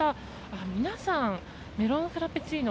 皆さんメロンフラペチーノ